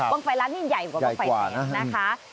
ไฟร้านนี้ใหญ่กว่าบ้างไฟแดงนะคะ